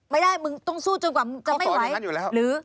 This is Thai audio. ไม่ได้ต้องสู้จนกว่าจะไม่ไหว